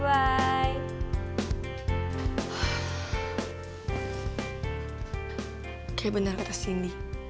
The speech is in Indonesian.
kayaknya bener kata si indy